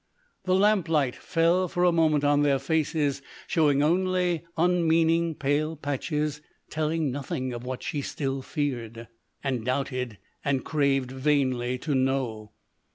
The lamplight fell for a moment on their faces, showing only unmeaning pale patches, telling nothing of what she still feared, and doubted, and craved vainly to know.